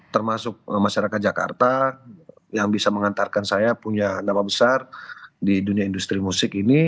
termasuk masyarakat jakarta yang bisa mengantarkan saya punya nama besar di dunia industri musik ini